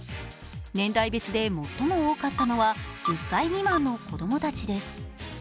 年代別で最も多かったのは１０歳未満の子供たちです。